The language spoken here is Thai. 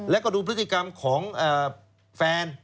แล้วก็ดูพฤติกรรมของแฟน